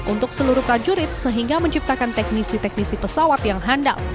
untuk seluruh prajurit sehingga menciptakan teknisi teknisi pesawat yang handal